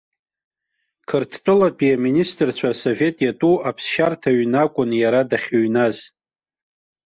Қырҭтәылатәи аминистрцәа рсовет иатәу аԥсшьарҭа ҩны акәын иара дахьыҩназ.